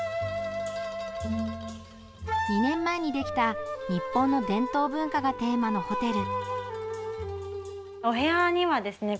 ２年前にできた日本の伝統文化がテーマのホテルです。